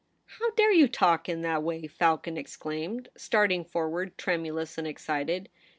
' How dare you talk in that way !' Falcon exclaimed, starting forward tremulous and excited.